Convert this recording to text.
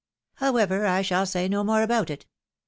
However, I shall say no more about it.